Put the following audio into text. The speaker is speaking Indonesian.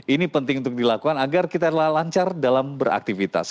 ini penting untuk dilakukan agar kita lancar dalam beraktivitas